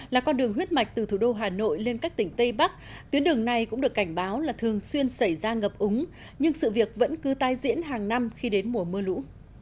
là con đường huyết mạch từ thủ đô hà nội lên các tỉnh tây bắc tuyến đường này cũng được cảnh báo là thường xuyên xảy ra ngập úng nhưng sự việc vẫn cứ tai diễn hàng năm khi đến mùa mưa lũ